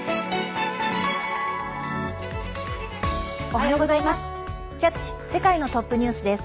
おはようございます。